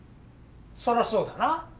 そりゃそうだな。